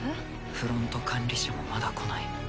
フロント管理社もまだ来ない。